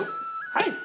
はい！